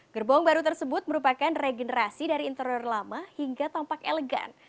gerbong baru tersebut merupakan regenerasi dari interior lama hingga tampak elegan